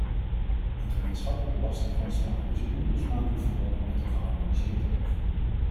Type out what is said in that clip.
Een gemeenschappelijke belastinggrondslag is onlosmakelijk verbonden met een geharmoniseerd tarief.